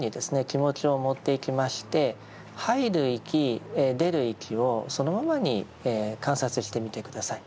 気持ちを持っていきまして入る息出る息をそのままに観察してみて下さい。